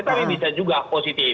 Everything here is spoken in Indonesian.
tapi bisa juga positif